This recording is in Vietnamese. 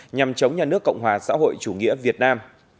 nhằm chống nhà nước cộng hòa xã hội chủ nghĩa việt nam